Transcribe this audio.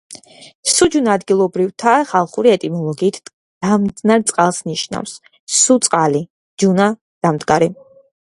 სუჯუნა ადგილობრივთა ხალხური ეტიმოლოგიით დამდგარ წყალს ნიშნავს: სუ–წყალი, ჯუნა–დამდგარი.